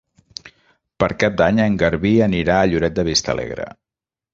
Per Cap d'Any en Garbí anirà a Lloret de Vistalegre.